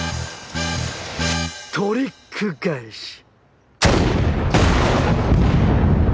トリック返し！